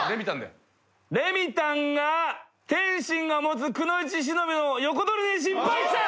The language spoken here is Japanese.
レミたんが天心が持つくのいち忍の横取りに失敗した！